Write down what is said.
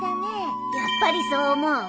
やっぱりそう思う？